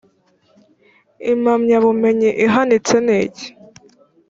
impamyabumenyi ihanitse niki